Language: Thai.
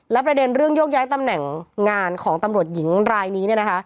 ประเด็นเรื่องโยกย้ายตำแหน่งงานของตำรวจหญิงรายนี้